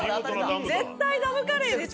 絶対ダムカレーですよ。